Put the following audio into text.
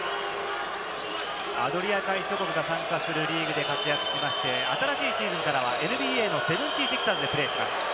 アドリア海諸国が参加するリーグで活躍しまして、新しいシーズンからはＮＢＡの７６ｅｒｓでプレーします。